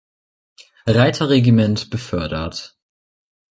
Reiter-Regiment befördert.